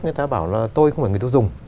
người ta bảo là tôi không phải người tiêu dùng